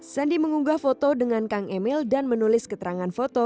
sandi mengunggah foto dengan kang emil dan menulis keterangan foto